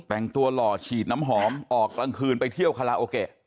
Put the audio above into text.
แต่งตัวหล่อฉีดน้ำหอมออกกลางคืนไปเที่ยวคาราโอเกะ